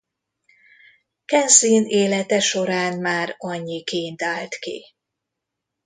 Kensin élete során már annyi kínt állt ki.